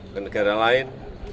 ke negara lain